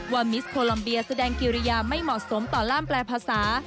มิสโคลัมเบียแสดงกิริยาไม่เหมาะสมต่อล่ามแปลภาษา